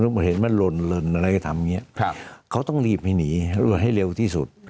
เห็นมันหล่นอะไรก็ทำอย่างนี้เขาต้องรีบให้หนีให้เร็วที่สุด